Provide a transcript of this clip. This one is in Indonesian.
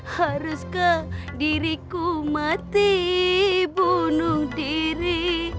haruskah diriku mati bunuh diri